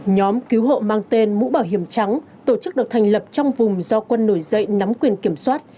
nhóm cứu hộ mang tên mũ bảo hiểm trắng tổ chức được thành lập trong vùng do quân nổi dậy nắm quyền kiểm soát